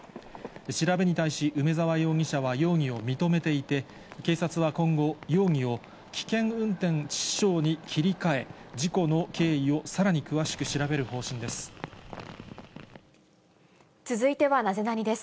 調べに対し、梅沢容疑者は容疑を認めていて、警察は今後、容疑を危険運転致死傷に切り替え、事故の経緯をさらに詳しく調べる続いてはナゼナニっ？